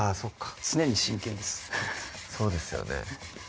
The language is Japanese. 常に真剣ですそうですよね